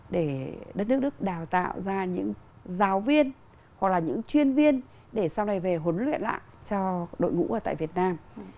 để đất nước đức đào tạo ra những giáo viên hoặc là những chuyên viên để sau này về huấn luyện lại cho đội ngũ ở tại việt nam